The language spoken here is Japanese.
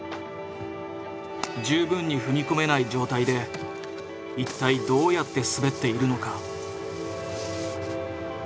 十分に踏み込めない状態で一体どうやって滑っているのか。